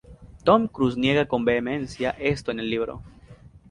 Tom Cruise niega con vehemencia esto en el libro.